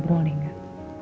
bisa berolah gak